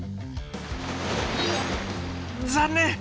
残念！